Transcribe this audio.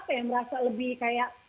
mehr merasa lebih kayak